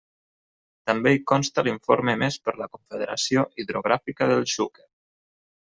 També hi consta l'informe emés per la Confederació Hidrogràfica del Xúquer.